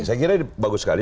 saya kira ini bagus sekali